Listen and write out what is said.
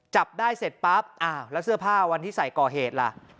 จับได้เสร็จปั๊บอ้าวแล้วเสื้อผ้าวันที่ใส่ก่อเหตุล่ะ